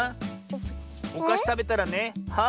おかしたべたらね「は」